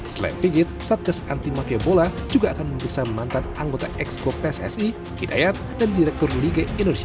selain figit satgas anti mafia bola juga akan memeriksa mantan anggota exco pssi hidayat dan direktur liga indonesia